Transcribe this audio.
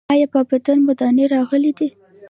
ایا په بدن مو دانې راغلي دي؟